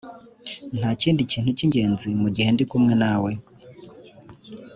ntakindi kintu cyingenzi mugihe ndi kumwe nawe.